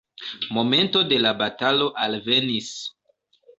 Momento de la batalo alvenis.